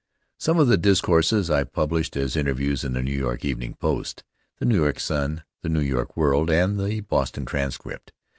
Some of the discourses I published as interviews in the New York Evening Post, the New York Sun, the New York World, and the Boston Transcript.